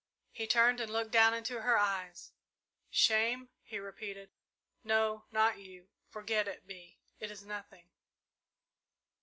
He turned and looked down into her eyes. "Shame," he repeated; "no, not you. Forget it, Bee; it is nothing.